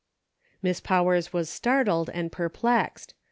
" Miss Powers was startled and perplexed.